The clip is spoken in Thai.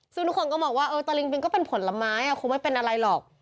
ซึ่งทุกคนก็มองว่าตะลิงปิงก็เป็นผลไม้คงไม่เป็นอะไรหรอก